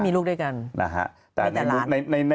คือการไปเจอกัน